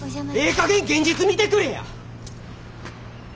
ええかげん現実見てくれや！